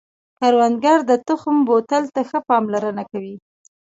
کروندګر د تخم بوتل ته ښه پاملرنه کوي